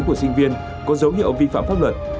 các thông tin của sinh viên có dấu hiệu vi phạm pháp luật